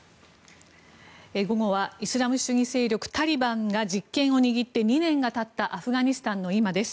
午後はイスラム主義勢力タリバンが実権を握って２年がたったアフガニスタンの今です。